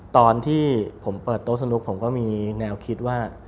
ตอนที่ผมเปิดโต๊ะสนุกผมก็มีแนวคิดว่า